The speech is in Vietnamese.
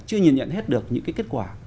chưa nhìn nhận hết được những kết quả